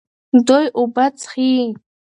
دوی اوبه څښي.